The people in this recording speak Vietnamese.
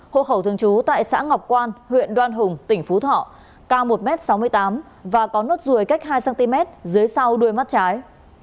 hộ khẩu thường trú tại xã ngọc quan huyện đoan hùng tỉnh phú thọ cao một m sáu mươi tám và có nốt ruồi cách hai cm dưới sau đuôi mắt trái